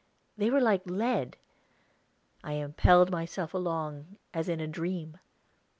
They were like lead; I impelled myself along, as in a dream.